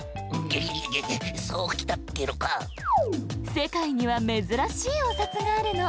せかいにはめずらしいお札があるの。